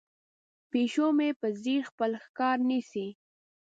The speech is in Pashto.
پیشو مې په ځیر خپل ښکار نیسي.